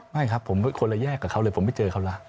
ไม่ครับผมคนละแยกกับเขาเลยผมไม่เจอเขาแล้ว